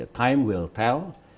dan kami berdua juga mendengarkan harapan